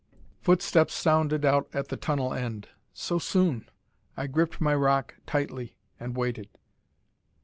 Footsteps sounded out at the tunnel end. So soon! I gripped my rock tightly, and waited.